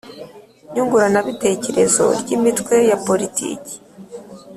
Nyunguranabitekerezo ry imitwe ya politiki